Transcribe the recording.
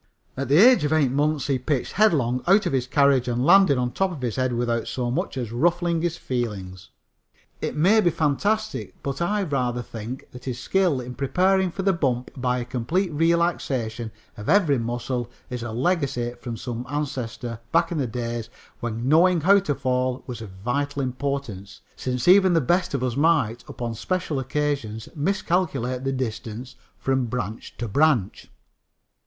At the age of eight months he pitched headlong out of his carriage and landed on top of his head without so much as ruffling his feelings. It may be fantastic, but I rather think that his skill in preparing for the bump by a complete relaxation of every muscle is a legacy from some ancestor back in the days when knowing how to fall was of vital importance, since even the best of us might, upon special occasions, miscalculate the distance from branch to branch.